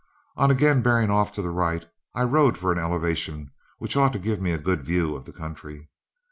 On again bearing off to the right, I rode for an elevation which ought to give me a good view of the country.